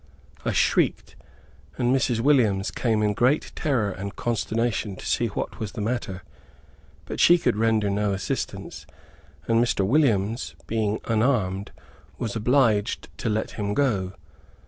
I shrieked, and Mrs. Williams came in great terror and consternation, to see what was the matter. But she could render no assistance, and Mr. Williams, being unarmed, was obliged to let him go.